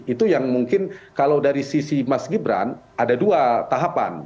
itu yang mungkin kalau dari sisi mas gibran ada dua tahapan